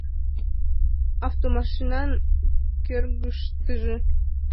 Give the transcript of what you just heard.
Автомашинан кӧргыштыжӧ